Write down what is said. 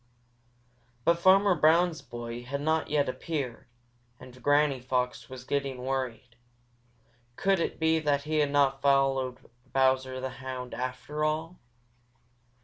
But Farmer Brown's boy had not yet appeared, and Granny Fox was getting worried. Could it be that he had not followed Bowser the Hound, after all?